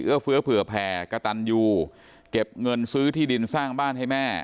เฟื้อเผื่อแผ่กระตันยูเก็บเงินซื้อที่ดินสร้างบ้านให้แม่